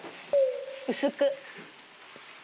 薄く。